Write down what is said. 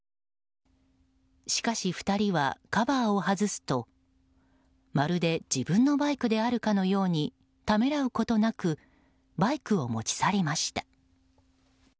しかし、２人はカバーを外すとまるで自分のバイクであるかのようにためらうことなくバイクを持ち去りました。